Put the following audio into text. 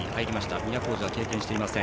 都大路は経験していません。